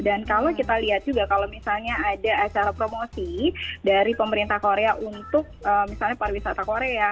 dan kalau kita lihat juga kalau misalnya ada acara promosi dari pemerintah korea untuk misalnya pariwisata korea